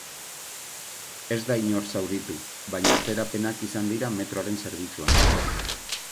Ez da inor zauritu, baina atzerapenak izan dira metroaren zerbitzuan.